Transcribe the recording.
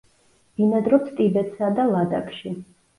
ბინადრობს ტიბეტსა და ლადაქში.